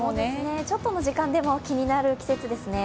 ちょっとの時間でも気になる季節ですね。